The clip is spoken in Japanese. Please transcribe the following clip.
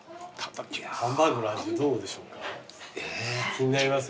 気になります